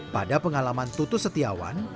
pada pengalaman tutu setiawan